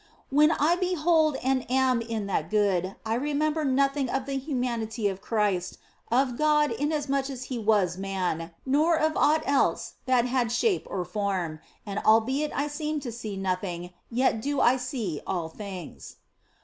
When I behold and am in that Good, I remember nothing of the humanity of Christ, of God inasmuch as He was man, nor of aught else that had shape or form ; and albeit I seem to see nothing, yet do I see all things.